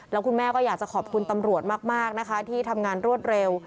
แล้วคุณแม่ก็อยากจะขอบคุณตำรวจมากนะคะที่ทำงานรวดเร็ว